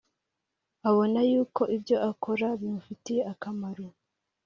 Abona yuko ibyo akora bimufitiye akamaro